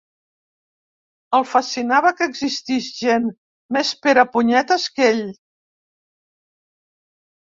El fascinava que existís gent més perepunyetes que ell.